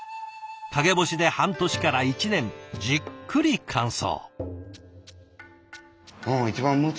陰干しで半年から１年じっくり乾燥。